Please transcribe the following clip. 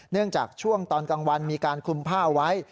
เนื่องจากช่วงตอนกลางวันมีการคุมผ้าไว้